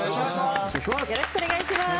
よろしくお願いします。